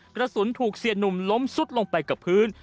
กระสุนถูกเสียหนุ่มล้มซุดลงไปกับพื้น